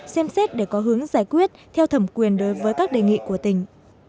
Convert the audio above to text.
xem xét để có hướng giải quyết theo thẩm quyền đối với các đề nghị của tỉnh